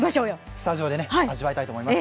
スタジオで味わいたいと思います。